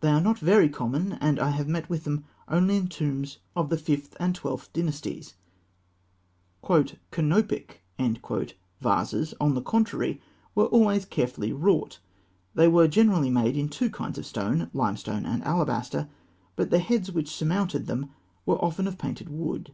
They are not very common, and I have met with them only in tombs of the Fifth and Twelfth Dynasties. "Canopic" vases, on the contrary, were always carefully wrought. They were generally made in two kinds of stone, limestone and alabaster; but the heads which surmounted them were often of painted wood.